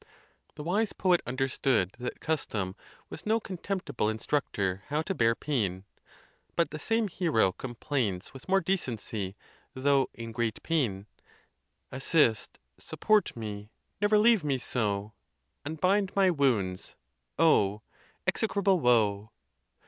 The wise poet understood that custom was no contempti ble instructor how to bear pain. But the same hero com plains with more decency, though in great pain: Assist, support me, never leave me so ; Unbind my wounds, oh! execrable woe!